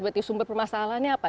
berarti sumber permasalahannya apa